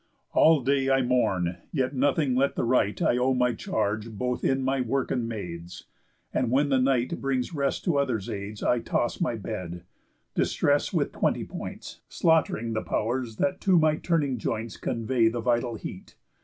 All day I mourn, yet nothing let the right I owe my charge both in my work and maids; And when the night brings rest to others' aids I toss my bed; Distress, with twenty points, Slaught'ring the pow'rs that to my turning joints Convey the vital heat.